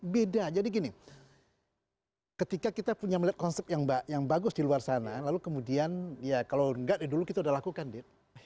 beda jadi gini ketika kita punya melihat konsep yang bagus di luar sana lalu kemudian ya kalau enggak dari dulu kita udah lakukan di